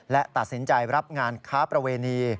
และตัดสินใจรับงานค้าประเวณี